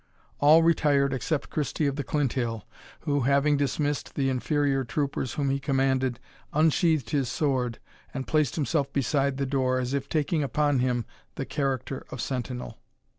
All retired except Christie of the Clinthill, who, having dismissed the inferior troopers whom he commanded, unsheathed his sword, and placed himself beside the door, as if taking upon him the character of sentinel.